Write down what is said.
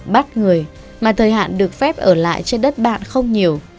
bắt người mà thời hạn được phép ở lại trên đất bạn không nhiều